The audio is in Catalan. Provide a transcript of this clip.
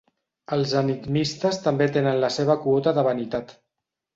Els enigmistes també tenen la seva quota de vanitat.